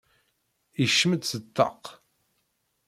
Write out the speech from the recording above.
Yekcem-d seg ṭṭaq.